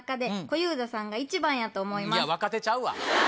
若手ちゃうわ！